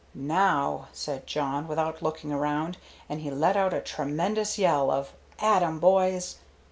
"Now," said Jawn, without looking around, and he let out a tremendous yell of "At 'em, boys!"